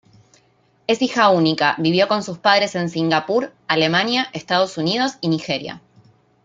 Es hija única, vivió con sus padres en Singapur, Alemania, Estados Unidos y Nigeria.